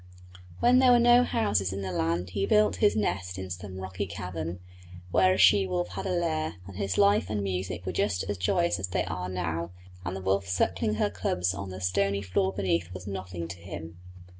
When there were no houses in the land he built his nest in some rocky cavern, where a she wolf had her lair, and his life and music were just as joyous as they are now, and the wolf suckling her cubs on the stony floor beneath was nothing to him.